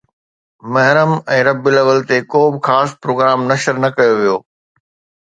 محرم ۽ ربيع الاول تي ڪو به خاص پروگرام نشر نه ڪيو ويو